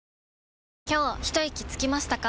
今日ひといきつきましたか？